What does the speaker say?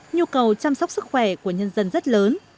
nhu cầu chăm sóc sức khỏe của nhân dân rất lớn